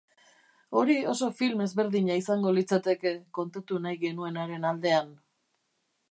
Hori oso film ezberdina izango litzateke kontatu nahi genuenaren aldean.